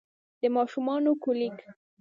د ماشومانه کولیک